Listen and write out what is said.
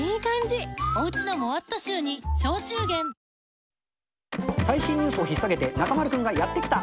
ニトリ最新ニュースをひっさげて、中丸君がやって来た！